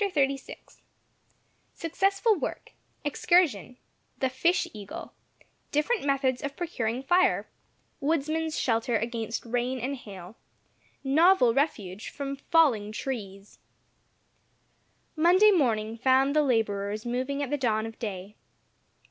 CHAPTER XXXVI SUCCESSFUL WORK EXCURSION THE FISH EAGLE DIFFERENT METHODS OF PROCURING FIRE WOODSMAN'S SHELTER AGAINST RAIN AND HAIL NOVEL REFUGE FROM FALLING TREES Monday morning found the labourers moving at the dawn of day.